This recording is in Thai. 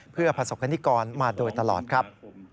เพื่อประสบคณิกรมาโดยตลอดครับ